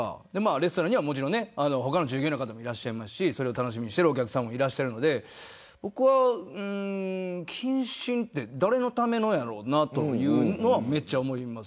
レストランには他の従業員もいらっしゃいますし楽しみにしているお客さんもいらっしゃるので僕は謹慎って誰のためのやろうなというのは思います。